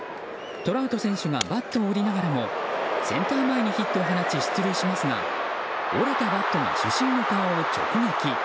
トラウト選手がバットを折りながらもセンター前にヒットを放ち出塁しますが折れたバットが主審の顔を直撃。